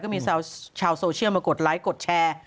มีชาวโซเชียลมากดไลค์กดแชร์